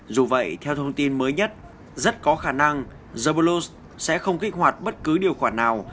dù vậy theo thông tin mới nhất rất có khả năng zablos sẽ không kích hoạt bất cứ điều khoản nào